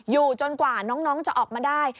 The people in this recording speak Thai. อยู่จนกว่าน้องจะออกมาได้